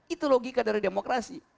itu logika dari demokrasi